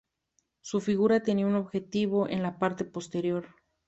Su figura tenía un objetivo en la parte posterior.